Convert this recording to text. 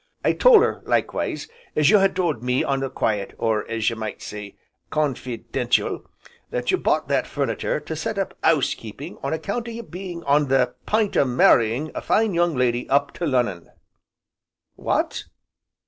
I told 'er, likewise, as you had told me on the quiet, or as you might say, con fi dential, that you bought that furnitur' to set up 'ouse keeping on account o' you being on the p'int o' marrying a fine young lady up to Lonnon, " "What!"